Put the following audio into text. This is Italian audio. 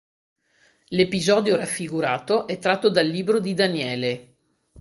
L'episodio raffigurato è tratto dal Libro di Daniele.